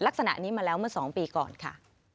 ลักษณะนี้มาแล้วเมื่อ๒ปีก่อนค่ะ